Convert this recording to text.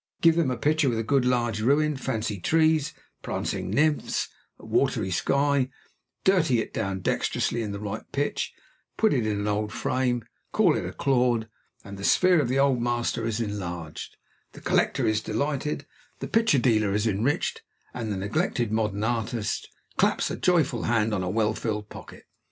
Give them a picture with a good large ruin, fancy trees, prancing nymphs, and a watery sky; dirty it down dexterously to the right pitch; put it in an old frame; call it a Claude; and the sphere of the Old Master is enlarged, the collector is delighted, the picture dealer is enriched, and the neglected modern artist claps a joyful hand on a well filled pocket.